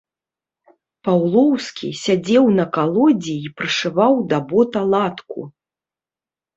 Паўлоўскі сядзеў на калодзе і прышываў да бота латку.